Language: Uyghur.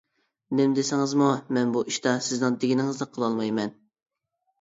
نېمە دېسىڭىزمۇ مەن بۇ ئىشتا سىزنىڭ دېگىنىڭىزنى قىلالمايمەن.